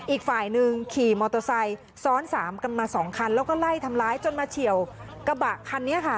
อีกฝ่ายหนึ่งขี่มอเตอร์ไซค์ซ้อนสามกันมาสองคันแล้วก็ไล่ทำร้ายจนมาเฉียวกระบะคันนี้ค่ะ